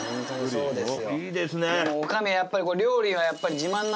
そうですね。